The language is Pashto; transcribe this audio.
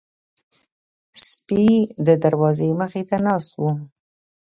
سپي د دروازې مخې ته ناست وو.